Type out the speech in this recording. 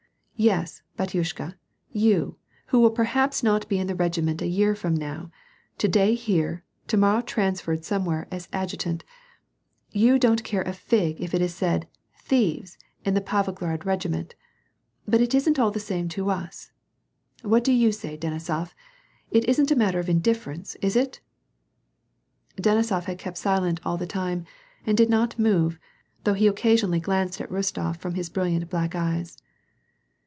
" Yes, batyushka, you, who will perhaps not be in the regiment a year from now, to day here, to morrow transferred somewhere as adjutant, you don't care a fig if it is said : thieves in the Pavlograd regiment. But it isn't all the same to us. What do you say, Denisof ? It isn't a matter of indifference, is it ?" Denisof had kept silent all the time, and did not move, though he occasionally glanced at Bostof from his brilliant black eyes.